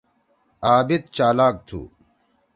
عابد چالاک تُھو۔